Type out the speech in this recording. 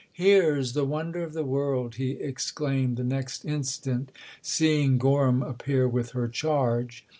" Here's the wonder of the world !" he exclaimed the next instant, seeing Gorham appear with her charge.